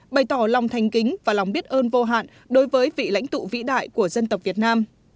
bày tỏ lòng thanh kính và lòng biết ơn vô hạn đối với vị lãnh tụ vĩ đại của dân tộc việt nam